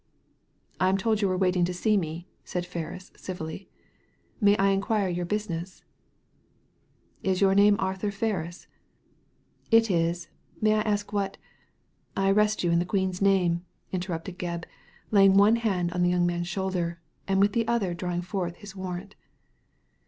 " I am told you are waiting to see me," said Ferris, civilly. May I inquire your business ?•* Is your name Arthur Ferris ?'*•• It is. May I ask what "" I arrest you in the Queen's name I " interrupted Gebb, laying one hand on the young man's shoulder, and with the other drawing forth his warrant.